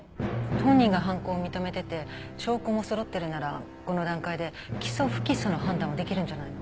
本人が犯行を認めてて証拠もそろってるならこの段階で起訴不起訴の判断はできるんじゃないの？